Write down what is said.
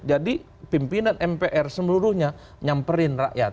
jadi pimpinan mpr seluruhnya nyamperin rakyat